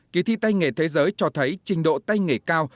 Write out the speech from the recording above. kỳ thi tây nghề thế giới cho thấy trình độ tây nghề cao